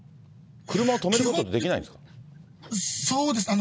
車を止めることはできないんですそうですね。